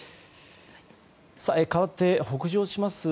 かわって北上します